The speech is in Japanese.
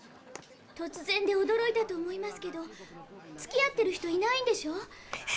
とつぜんでおどろいたと思いますけどつきあってる人いないんでしょ？